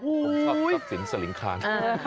ทรัพย์สินสลิงคาร